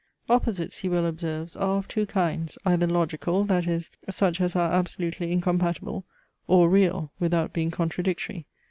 Opposites, he well observes, are of two kinds, either logical, that is, such as are absolutely incompatible; or real, without being contradictory.